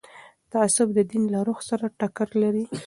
تعصب د دین له روح سره ټکر لري